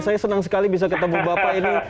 saya senang sekali bisa ketemu bapak ini